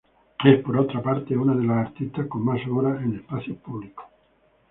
Es, por otra parte, una de las artistas con más obra en espacios públicos.